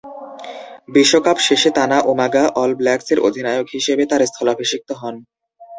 বিশ্বকাপ শেষে তানা উমাগা অল ব্ল্যাকসের অধিনায়ক হিসেবে তার স্থলাভিষিক্ত হন।